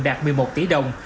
đạt một mươi một tỷ đồng